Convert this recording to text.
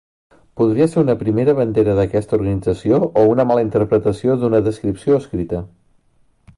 Podria ser una primera bandera d'aquesta organització o una mala interpretació d'una descripció escrita.